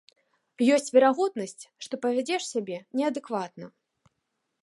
Ёсць верагоднасць, што павядзеш сябе неадэкватна.